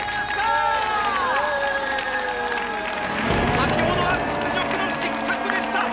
先ほどは屈辱の失格でした。